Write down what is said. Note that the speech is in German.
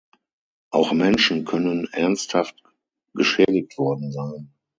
Auch Menschen können ernsthaft geschädigt worden sein.